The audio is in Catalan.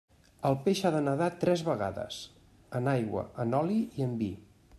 El peix ha de nadar tres vegades: en aigua, en oli i en vi.